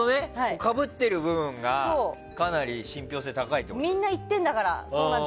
かぶってる部分がかなり信ぴょう性高いってことね。